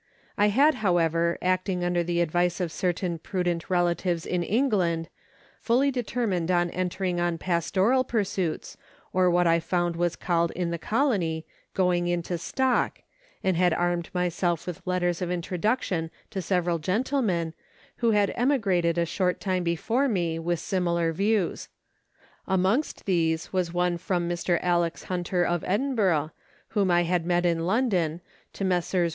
I had, however, acting under the advice of certain prudent relatives in England, fully determined on entering on pastoral pursuits, or what I found was called in the colony " going into stock," and had armed myself with letters of introduction to several gentlemen, who had emi grated a short time before me, with similar views. Amongst these was one from Mr. Alex. Hunter, of Edinburgh, whom I had met in London, to Messrs.